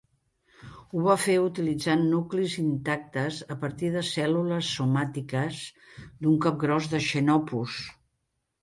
Ho va fer utilitzant nuclis intactes a partir de cèl·lules somàtiques d'un Capgròs de "Xenopus".